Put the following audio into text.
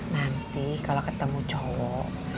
nanti kalo ketemu cowok